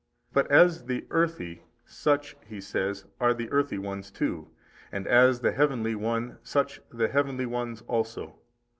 But as the earthy such (he says) are the earthy ones too, and as the Heavenly One such the Heavenly ones also.